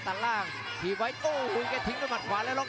แชลเบียนชาวเล็ก